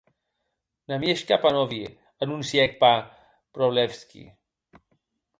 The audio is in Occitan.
Na miejsca, panowie!, anoncièc pan Wroblewsky.